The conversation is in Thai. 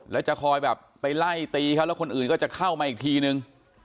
แล้วจะคอยแบบไปไล่ตีเขาแล้วคนอื่นก็จะเข้ามาอีกทีนึง